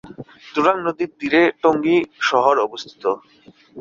তুরাগ নদীর তীরে টঙ্গী শহর অবস্থিত।